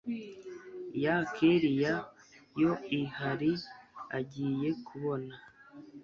ya kellia yo ihari agiye kubona